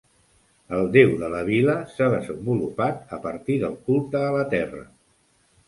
El Déu de la Vila s'ha desenvolupat a partir del culte a la terra.